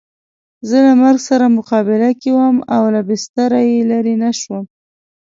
زه له مرګ سره مقابله کې وم او له بستره یې لرې نه شوم.